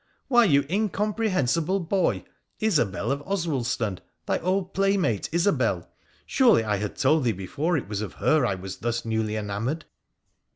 ' Why, you incomprehensible boy, Isobel of Oswaldston, thy old playmate, Isobel. Surely I had told thee before it was of her I was thus newly enamoured